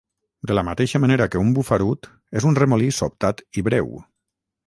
De la mateixa manera que un bufarut és un remolí sobtat i breu